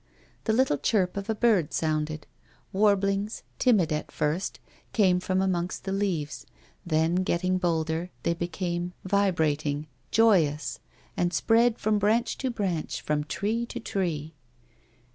The little chirp of a bird sounded ; warblings, timid at first, came from amongst the leaves ; then, getting bolder, they became vibrating, joyous, and spread from branch to branch, from tree to tree.